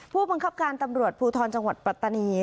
ผู้บังคับการตำรวจภูทรจังหวัดปัตตานี